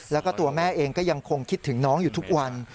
แล้วก็ตัวแม่เองก็ยังคงคิดถึงน้องอยู่ทุกวัน